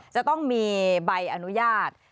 จะต้องมีใบอนุญาต